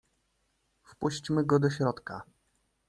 "Wpuścimy go do środka."